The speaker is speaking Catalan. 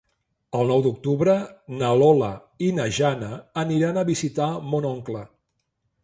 El nou d'octubre na Lola i na Jana aniran a visitar mon oncle.